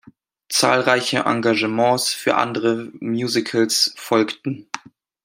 Zahlreiche Engagements für andere Musicals folgten.